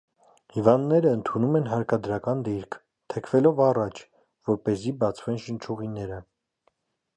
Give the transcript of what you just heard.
Հիվանդները ընդունում են հարկադրական դիրք՝ թեքվելով առաջ, որպեսզի բացվեն շնչուղիները։